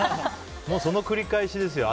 その繰り返しですよ。